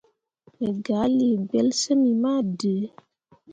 Me gah lii gbelsyimmi ma dǝǝ.